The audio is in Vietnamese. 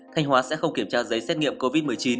thanh hóa sẽ không kiểm tra giấy xét nghiệm covid một mươi chín